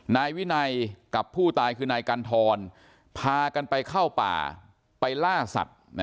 นายวินัยกับผู้ตายคือนายกันทรพากันไปเข้าป่าไปล่าสัตว์